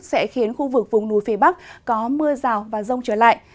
sẽ khiến khu vực vùng núi phía bắc có mưa rào và rông trở lại